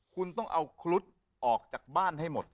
คุณต้องเอาครุฑออกจากบ้านให้หมด